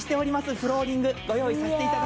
フローリングご用意させて頂きました。